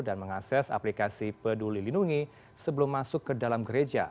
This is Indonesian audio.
dan mengakses aplikasi peduli lindungi sebelum masuk ke dalam gereja